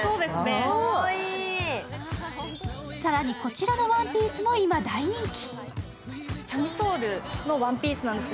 更に、こちらのワンピースも今、大人気。